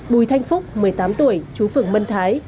bùi thanh phúc một mươi tám tuổi chú phường mân thái